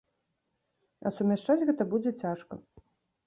А сумяшчаць гэта будзе цяжка.